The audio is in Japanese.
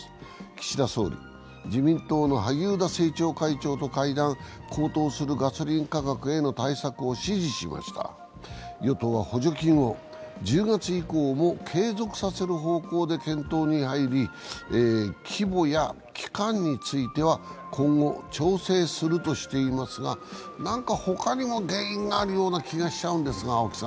岸田総理、自民党の萩生田政調会長と会談、高騰するガソリン価格への対策を指示しました与党は補助金を１０月以降も継続させる方向で検討に入り規模や期間については今後調整するとしていますがなんか、ほかにも原因があるような気がしちゃうんですが。